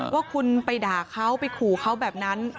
ว่าคุณไปด่าเขาไปขู่เขาแบบนั้น